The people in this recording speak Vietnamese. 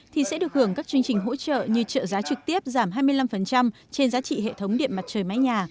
thì sẽ được hưởng các chương trình hỗ trợ như trợ giá trực tiếp giảm hai mươi năm trên giá trị hệ thống điện mặt trời mái nhà